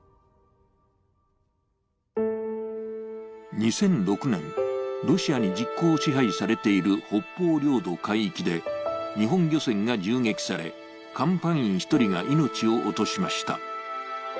２００６年、ロシアに実効支配されている北方領土海域で日本漁船が銃撃され、甲板員１人が命を落としました。